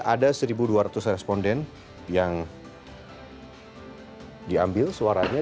ada satu dua ratus responden yang diambil suaranya